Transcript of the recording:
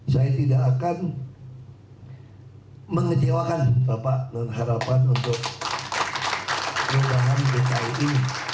saya tidak akan mengecewakan bapak dan harapan untuk perubahan dki ini